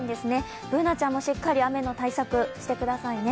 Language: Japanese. Ｂｏｏｎａちゃんもしっかり雨の対策してくださいね。